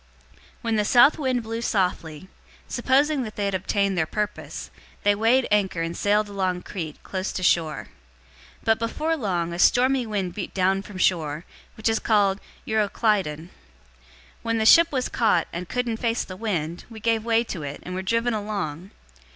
027:013 When the south wind blew softly, supposing that they had obtained their purpose, they weighed anchor and sailed along Crete, close to shore. 027:014 But before long, a stormy wind beat down from shore, which is called Euroclydon.{Or, "a northeaster."} 027:015 When the ship was caught, and couldn't face the wind, we gave way to it, and were driven along.